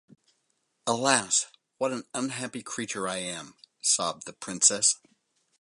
"Alas, what an unhappy creature I am!" sobbed the princess.